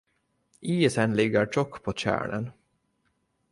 Isen ligger tjock på tjärnen.